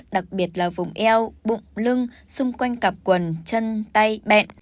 đặc biệt là vùng eo bụng lưng xung quanh cặp quần chân tay bẹn